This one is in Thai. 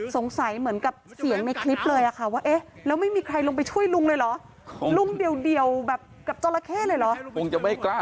สงสัยเหมือนกับเสียงในคลิปเลยค่ะว่าแล้วไม่มีใครลงไปช่วยลุงเลยเหรอ